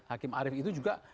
hakim arief itu juga